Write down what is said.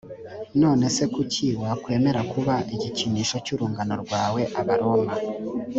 none se kuki wakwemera kuba igikinisho cy urungano rwawe abaroma